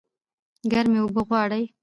ګرمي اوبه غواړي